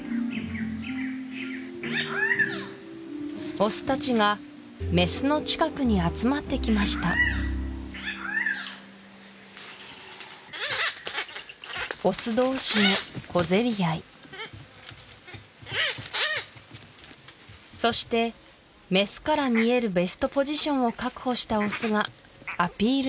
オスたちがメスの近くに集まってきましたオス同士の小競り合いそしてメスから見えるベストポジションを確保したオスがアピール